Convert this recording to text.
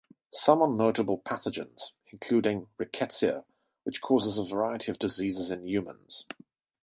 Some are notable pathogens, including "Rickettsia", which causes a variety of diseases in humans.